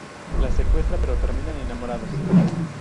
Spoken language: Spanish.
La secuestra pero terminan enamorados.